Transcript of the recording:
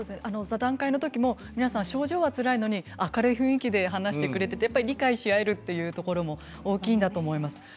座談会のときも皆さん症状がつらいのに、明るい雰囲気で話してくれていて理解し合えるというところも大きいんだと思います。